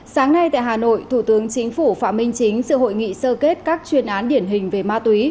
sáng nay tại hà nội thủ tướng chính phủ phạm minh chính sự hội nghị sơ kết các chuyên án điển hình về ma túy